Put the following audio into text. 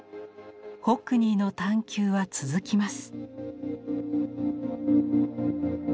ホックニーの探求は続きます。